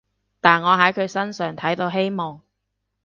但我喺佢身上睇到希望